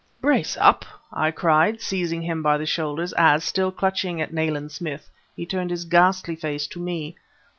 "Brace up!" I cried, seizing him by the shoulders as, still clutching at Nayland Smith, he turned his ghastly face to me.